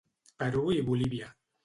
Perú i Bolívia.